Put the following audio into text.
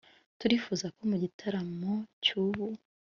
turifuzako mu gitaramo cy'ubu